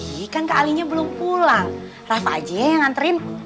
iya kan kak alinya belum pulang rafa aja yang anterin